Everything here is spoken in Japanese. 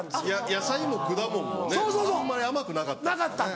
野菜も果物もねあんまり甘くなかったですね。